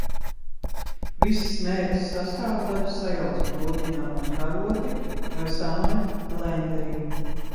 Visas mērces sastāvdaļas sajauc bļodiņā ar karoti vai samaļ blenderī.